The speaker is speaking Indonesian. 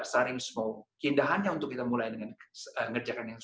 jadi sepanjang waktu keindahannya untuk kita mulai dengan kecil adalah